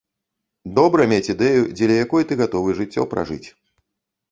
Добра мець ідэю, дзеля якой ты, гатовы жыццё пражыць.